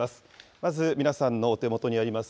まず、皆さんのお手元にあります